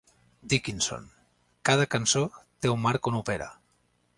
Dickinson: Cada cançó té un marc on opera.